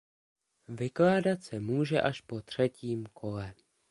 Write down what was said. Vykládat se může až po třetím kole.